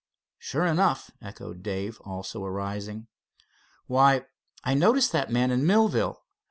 "Sure enough," echoed Dave, also arising. "Why, I noticed that man in Millville.